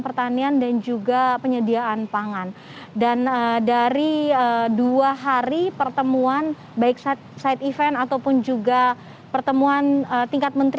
keep guys important avonsa nelal mystery tentang pertemuan tingkat menteri